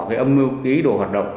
cái âm mưu cái ý đồ hoạt động